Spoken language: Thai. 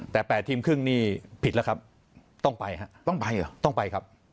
แต่๘ทีมครึ่งนี่ผิดแล้วครับต้องไปฮะต้องไปเหรอต้องไปครับ